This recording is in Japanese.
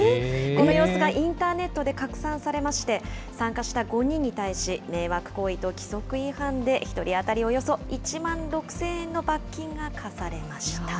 この様子がインターネットで拡散されまして、参加した５人に対し、迷惑行為と規則違反で、１人当たりおよそ１万６０００円の罰金が科されました。